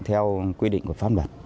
theo quy định của pháp luật